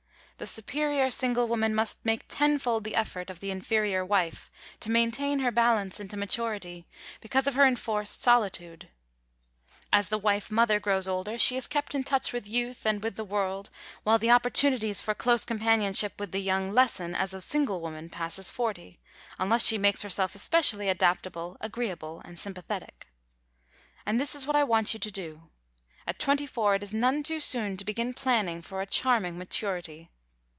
The superior single woman must make tenfold the effort of the inferior wife, to maintain her balance into maturity, because of her enforced solitude. As the wife mother grows older she is kept in touch with youth, and with the world, while the opportunities for close companionship with the young lessen as a single woman passes forty, unless she makes herself especially adaptable, agreeable, and sympathetic. And this is what I want you to do. At twenty four it is none too soon to begin planning for a charming maturity.